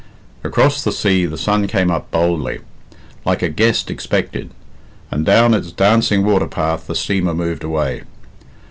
Across the sea the sun came up boldly, "like a guest expected," and down its dancing water path the steamer moved away.